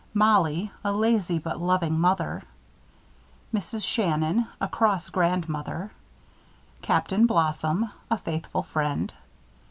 MOLLIE: A Lazy but Loving Mother. MRS. SHANNON: A Cross Grandmother. CAPTAIN BLOSSOM: A Faithful Friend.